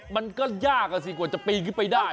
มันก็ยากอ่ะสิกว่าจะปีนขึ้นไปได้